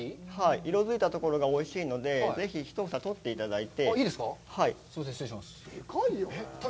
色づいたところがおいしいので、ぜひ１房とっていただいて。